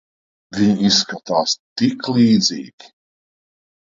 Viņi izskatās tik līdzīgi.